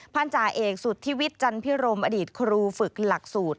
พรรจาเอกสุทธิวิตจันทร์พิรมอดีตครูฝึกหลักสูตร